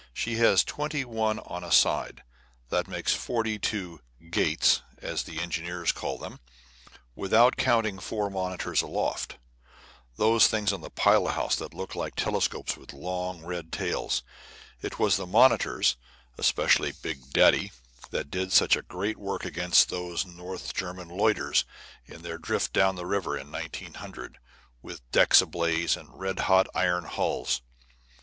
She has twenty one on a side; that makes forty two "gates," as the engineer calls them, without counting four monitors aloft those things on the pilot house that look like telescopes with long red tails. It was the monitors, especially "Big Daddy," that did such great work against those North German Lloyders, in their drift down the river, in 1900, with decks ablaze and red hot iron hulls.